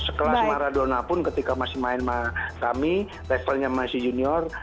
sekelas maradona pun ketika masih main kami levelnya masih junior